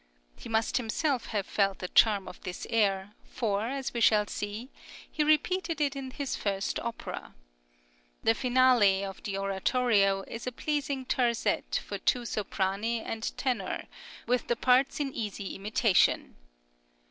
He must himself have felt the charm of this air, for, as we shall see, he repeated it in his first opera. The finale of the oratorio is a pleasing terzet for two soprani and tenor, with the parts in easy imitation.